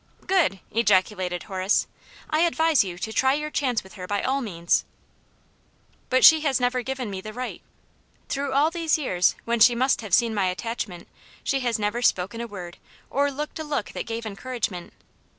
"Good!" ejaculated Horace. "I advise you to try your chance with her by all means." Aunt Janets Hero. 259 " But she has never given me the right. Through all these years, when she must have seen my attach ment, she has never spoken a word or looked a look that gave encouragement.